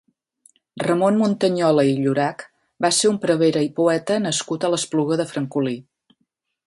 Ramon Muntanyola i Llorach va ser un prevere i poeta nascut a l'Espluga de Francolí.